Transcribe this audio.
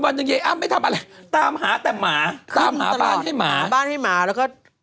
อย่าไม่ให้มีใครตามต่อแล้วดูอ่ะเดี๋ยวเนี่ย